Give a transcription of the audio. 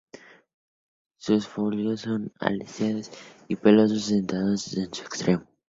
Sus foliolos son lanceolados y pelosos, dentados en su extremo.